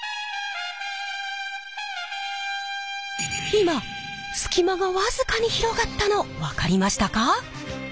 今隙間がわずかに広がったの分かりましたか？